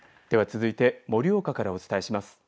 では盛岡からお伝えします。